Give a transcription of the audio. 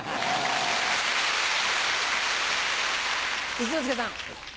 一之輔さん。